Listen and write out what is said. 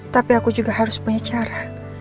tapi aku juga harus punya cara